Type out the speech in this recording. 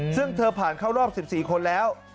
ซึ่งเธอผ่านเข้ารอบ๑๔คนแล้ว